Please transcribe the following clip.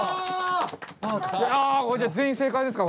これ全員正解ですか？